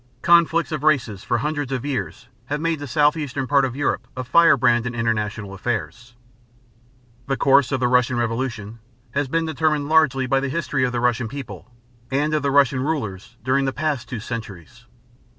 Conflicts of races for hundreds of years have made the southeastern part of Europe a firebrand in international affairs. The course of the Russian revolution has been determined largely by the history of the Russian people and of the Russian rulers during the past two centuries.